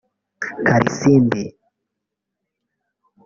Karisimbi